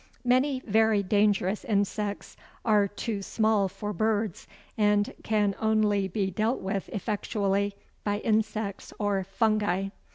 Many very dangerous insects are too small for birds, and can only be dealt with effectually by insects or fungi.